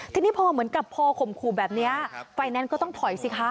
ทีนี้เพราะเหมือนกับพอคมครูแบบเนี้ยใฟแนนซ์ก็ต้องถอยซี่ค่ะ